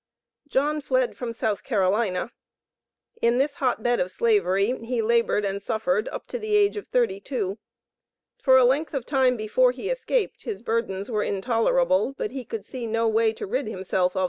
John fled from South Carolina. In this hot bed of Slavery he labored and suffered up to the age of thirty two. For a length of time before he escaped, his burdens were intolerable; but he could see no way to rid himself of them, except by flight.